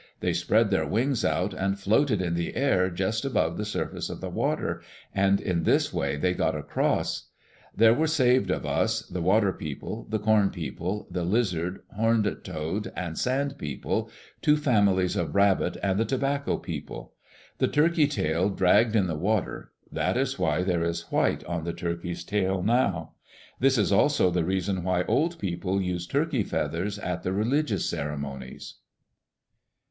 They spread their wings out and floated in the air just above the surface of the water, and in this way they got across. There were saved of us, the Water people, the Corn people, the Lizard, Horned toad, and Sand peoples, two families of Rabbit, and the Tobacco people. The turkey tail dragged in the water. That is why there is white on the turkey's tail now. This is also the reason why old people use turkey feathers at the religious ceremonies.